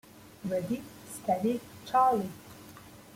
Ready, Steady, Charlie!